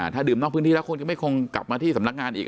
ถ้าดื่มนอกพื้นที่แล้วคนก็ไม่คงกลับมาที่สำนักงานอีก